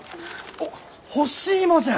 おっ干し芋じゃ！